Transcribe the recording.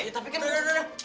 ya tapi kan udah udah udah